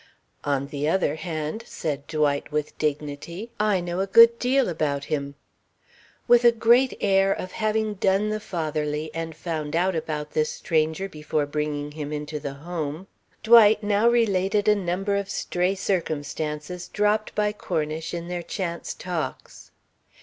"On the other hand," said Dwight with dignity, "I know a good deal about him." With a great air of having done the fatherly and found out about this stranger before bringing him into the home, Dwight now related a number of stray circumstances dropped by Cornish in their chance talks.